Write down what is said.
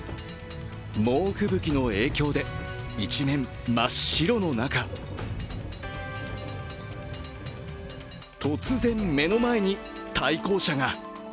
猛吹雪の影響で一面真っ白の中突然、目の前に対向車が。